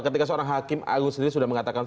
ketika seorang hakim agung sendiri sudah mengatakan